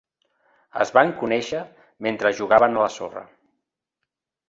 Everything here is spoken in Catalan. Es van conèixer mentre jugaven a la sorra.